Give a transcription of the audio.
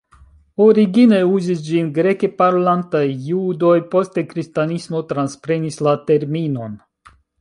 Origine uzis ĝin Greke-parolantaj Judoj, poste Kristanismo transprenis la terminon.